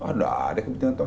ada ada kepentingan tiongkok